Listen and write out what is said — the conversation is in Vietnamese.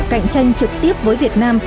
cạnh tranh trực tiếp với việt nam